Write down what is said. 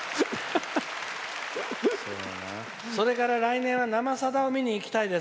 それから来年は「生さだ」を見に行きたいです。